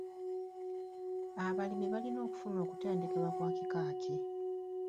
Abalimi balina kufuna kutendekebwa kwa kika ki?